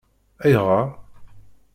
Ayɣeṛ?